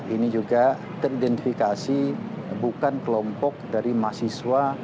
ini juga teridentifikasi bukan kelompok dari mahasiswa